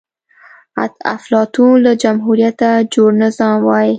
افلاطون له جمهوريته جوړ نظام وای